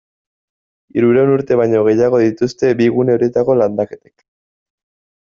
Hirurehun urte baino gehiago dituzte bi gune horietako landaketek.